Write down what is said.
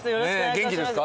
元気ですか？